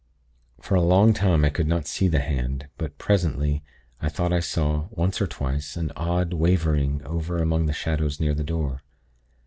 "For a long time I could not see the hand; but, presently, I thought I saw, once or twice, an odd wavering, over among the shadows near the door.